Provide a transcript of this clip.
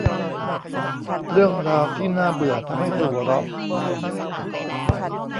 เรื่องราวที่น่าเบื่อทำให้เธอหัวเราะ